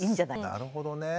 なるほどね。